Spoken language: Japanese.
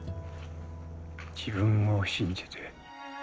自分を信じて。